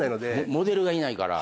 モデルがいないから。